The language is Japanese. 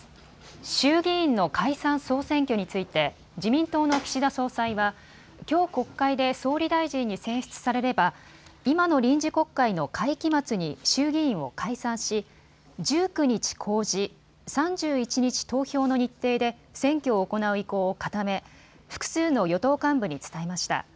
衆議院の解散・総選挙について自民党の岸田総裁はきょう国会で総理大臣に選出されれば今の臨時国会の会期末に衆議院を解散し１９日公示、３１日投票の日程で選挙を行う意向を固め、複数の与党幹部に伝えました。